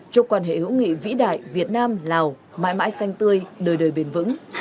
cho quan hệ hữu nghị vĩ đại việt nam lào mãi mãi xanh tươi đời đời bền vững